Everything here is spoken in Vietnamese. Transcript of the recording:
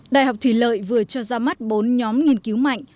đại học thủy lợi vừa cho ra mắt bốn nhóm nghiên cứu mạnh